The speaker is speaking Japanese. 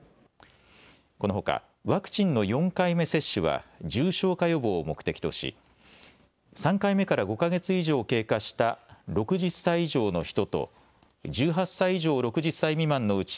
このほかワクチンの４回目接種は重症化予防を目的とし３回目から５か月以上経過した６０歳以上の人と１８歳以上６０歳未満のうち